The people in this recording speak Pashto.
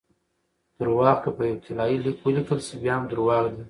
درواغ که په یو طلايي لیک ولیکل سي؛ بیا هم درواغ دي!